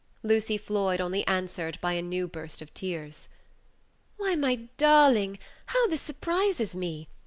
Lucy Floyd only answered by a new burst of tears. "Why, my darling, how this surprises me!